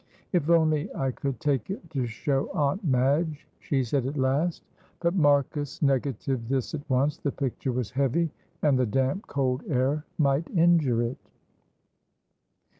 "If only I could take it to show Aunt Madge!" she said at last. But Marcus negatived this at once; the picture was heavy, and the damp, cold air might injure it.